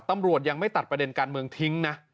ตำรวจยังไม่ตัดประเด็นการเมืองทิ้งนะ